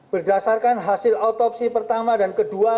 berdasarkan hasil otopsi pertama dan kedua